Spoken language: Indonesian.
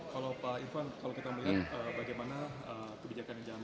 kalau pak irfan kalau kita melihat bagaimana kebijakan yang diambil oleh pemerintah